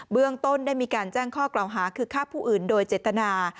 เรื่องต้นได้มีการแจ้งข้อกล่าวหาคือฆ่าผู้อื่นโดยเจตนา